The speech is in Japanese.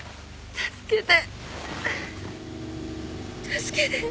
助けて